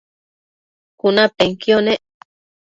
cunapenquio nec